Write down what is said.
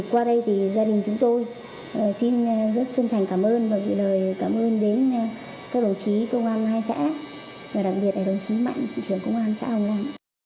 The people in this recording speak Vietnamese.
qua đây thì gia đình chúng tôi xin rất chân thành cảm ơn và gửi lời cảm ơn đến các đồng chí công an hai xã và đặc biệt là đồng chí mạnh trưởng công an xã hồng lan